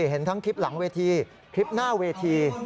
เห็นทั้งคลิปหลังเวทีคลิปหน้าเวที